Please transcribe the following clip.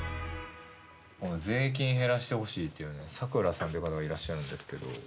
この税金減らして欲しいっていうねさくらさんという方がいらっしゃるんですけど。